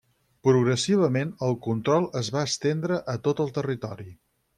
Progressivament el control es va estendre a tot el territori.